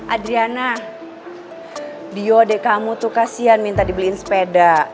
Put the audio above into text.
adriana dio adik kamu tuh kasihan minta dibeliin sepeda